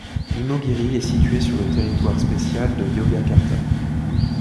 Imogiri est situé sur le territoire spécial de Yogyakarta.